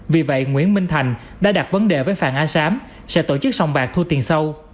vì vậy nguyễn minh thành đã đặt vấn đề với phàng a sám sẽ tổ chức sòng bạc thu tiền sâu